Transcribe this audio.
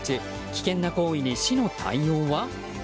危険な行為に、市の対応は？